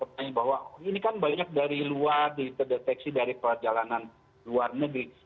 saya bertanya bahwa ini kan banyak dari luar dideteksi dari pelajaran luar negeri